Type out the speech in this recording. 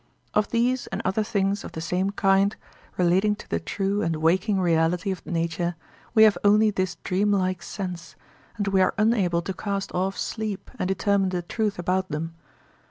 Of these and other things of the same kind, relating to the true and waking reality of nature, we have only this dreamlike sense, and we are unable to cast off sleep and determine the truth about them.